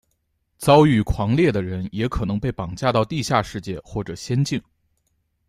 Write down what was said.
遭遇狂猎的人也可能被绑架到地下世界或者仙境。